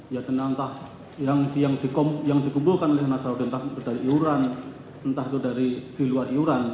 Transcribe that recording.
ya dan entah yang dikumpulkan oleh nasarud entah itu dari iuran entah itu dari di luar iuran